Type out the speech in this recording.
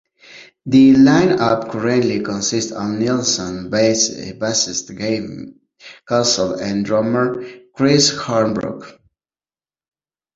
The lineup currently consists of Nielsen, bassist Gavin Caswell and drummer Chris Hornbrook.